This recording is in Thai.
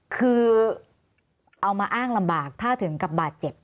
คือเอามาอ้างลำบากถ้าถึงกับบาดเจ็บ